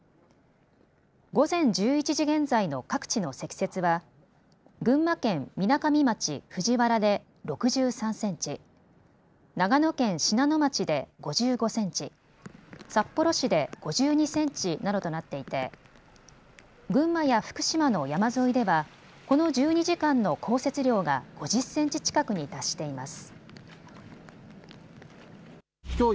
午前１１時現在の各地の積雪は群馬県みなかみ町藤原で６３センチ、長野県信濃町で５５センチ、札幌市で５２センチなどとなっていて群馬や福島の山沿いではこの１２時間の降雪量が５０センチ近くに達しています。